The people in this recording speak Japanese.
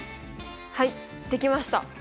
はいできました。